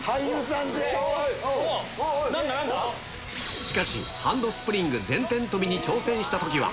しかし、ハンドスプリング・前転跳びに挑戦したときは。